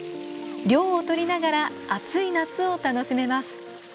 涼をとりながら暑い夏を楽しめます。